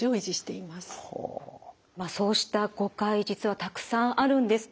そうした誤解実はたくさんあるんです。